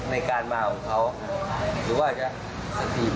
ในการมาอะไร